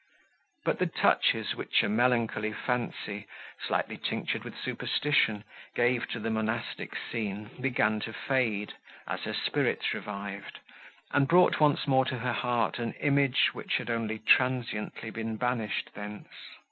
But the touches, which a melancholy fancy, slightly tinctured with superstition, gave to the monastic scene, began to fade, as her spirits revived, and brought once more to her heart an image, which had only transiently been banished thence.